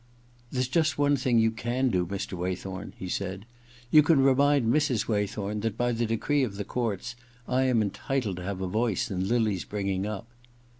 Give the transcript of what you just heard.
* There's just one thing you can do, Mr. Waythorn/ he said. *You can remind Mrs. Waythorn that, by the decree of the courts, I am entitled to have a voice in Lily's bringing up.'